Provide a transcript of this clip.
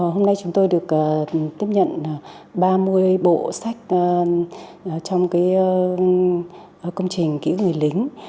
hôm nay chúng tôi được tiếp nhận ba mươi bộ sách trong công trình ký ức người lính